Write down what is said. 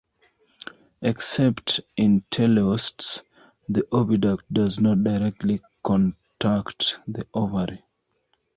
Except in teleosts, the oviduct does not directly contact the ovary.